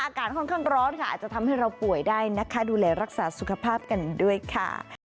อากาศค่อนข้างร้อนค่ะอาจจะทำให้เราป่วยได้นะคะดูแลรักษาสุขภาพกันด้วยค่ะ